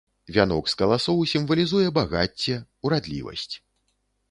Вянок з каласоў сімвалізуе багацце, урадлівасць.